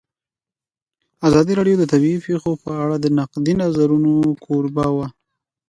ازادي راډیو د طبیعي پېښې په اړه د نقدي نظرونو کوربه وه.